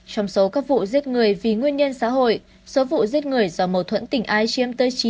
trong số các vụ giết người vì nguyên nhân xã hội số vụ giết người do mâu thuẫn tình ai chiêm tới chín